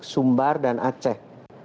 sumbar dan aceh